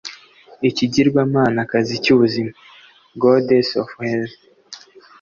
ikigirwamanakazi cy’ ubuzima (goddess of health)